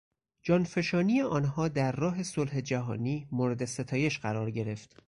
جانفشانی آنها در راه صلح جهانی مورد ستایش قرار گرفت.